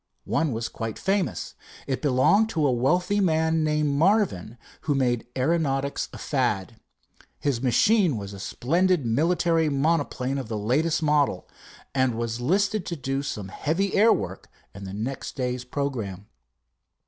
One was quite famous. It belonged to a wealthy man named Marvin, who made aeronautics a fad. His machine was a splendid military monoplane of the latest model, and was listed to do some heavy air work in the next day's programme.